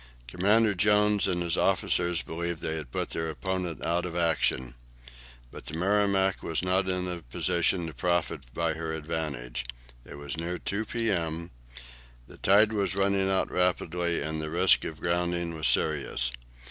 Commander Jones and his officers believed they had put their opponent out of action. But the "Merrimac" was not in a position to profit by her advantage. It was near 2 p.m. The tide was running out rapidly, and the risk of grounding was serious.